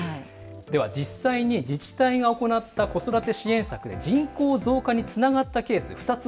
では実際に自治体が行った子育て支援策で人口増加につながったケース２つお伝えします。